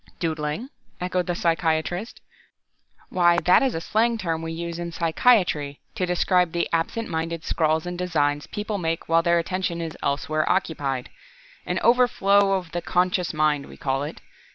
"Doodling?" echoed the psychiatrist. "Why that is a slang term we use in psychiatry, to describe the absent minded scrawls and designs people make while their attention is elsewhere occupied. An overflow of the unconscious mind, we call it.